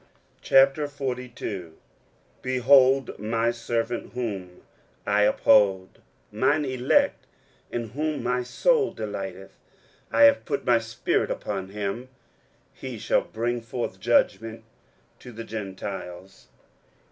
23:042:001 Behold my servant, whom I uphold; mine elect, in whom my soul delighteth; I have put my spirit upon him: he shall bring forth judgment to the Gentiles.